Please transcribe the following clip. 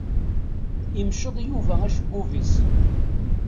Imceḍ Yuba acebbub-is.